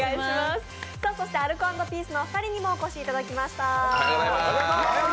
そしてアルコ＆ピースのお二人にもお越しいただきました。